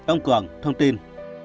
ông cường thông tin